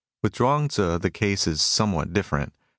With Chuang Tzu the case is somewhat different.